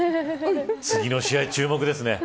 次の試合、注目ですね。